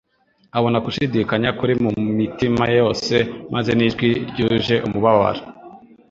Abona gushidikanya kuri mu mitima yose, maze n'ijwi ryuje umubabaro,